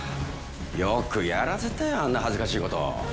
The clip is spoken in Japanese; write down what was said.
よくやらせたよあんな恥ずかしい事。